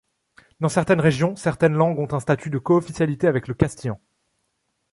Dans certaines régions, certaines langues ont un statut de coofficialité avec le castillan.